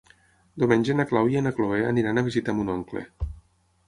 Diumenge na Clàudia i na Cloè aniran a visitar mon oncle.